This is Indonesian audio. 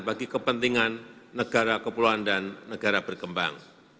bagi kepentingan negara kepulauan dan negara berkembang